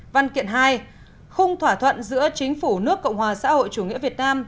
văn kiện hai khung thỏa thuận giữa chính phủ nước cộng hòa xã hội chủ nghĩa việt nam